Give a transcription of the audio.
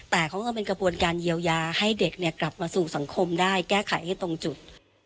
แต่เขาก็เป็นกระบวนการเยียวยาให้เด็กกลับมาสู่สังคมได้แก้ไขให้ตรงจุด